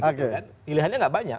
pilihannya gak banyak